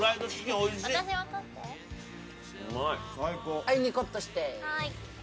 はいニコッとして。